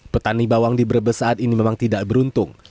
petani bawang di brebes saat ini memang tidak beruntung